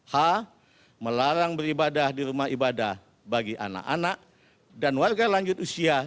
h melarang beribadah di rumah ibadah bagi anak anak dan warga lanjut usia